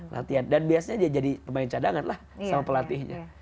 latihan dan biasanya dia jadi pemain cadangan lah sama pelatihnya